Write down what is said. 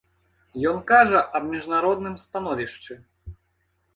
Ён кажа аб міжнародным становішчы.